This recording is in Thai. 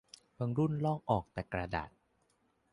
บางรุ่นลอกออกแต่กระดาษ